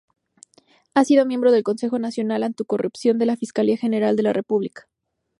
Ha sido miembro del Consejo Nacional Anticorrupción de la Fiscalía General de la República.